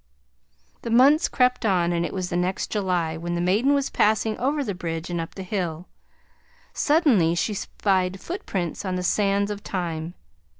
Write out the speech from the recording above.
The months crept on and it was the next July when the maiden was passing over the bridge and up the hill. Suddenly she spied footprints on the sands of time.